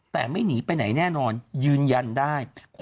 แต่ไม่หนีไปไหนแน่นอนยืนยันได้